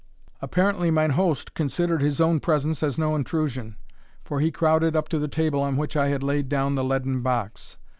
Apparently mine host considered his own presence as no intrusion, for he crowded up to the table on which I had laid down the leaden box.